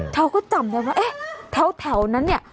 เธอก็จำได้ว่าเอ๊ะแถวนั้นเนี่ย